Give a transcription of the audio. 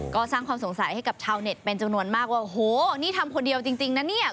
ก็สร้างความสงสัยให้กับชาวเน็ตเป็นจำนวนมากว่าโอ้โหนี่ทำคนเดียวจริงนะเนี่ย